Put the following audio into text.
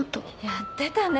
やってたね。